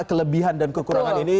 kelebihan dan kekurangan ini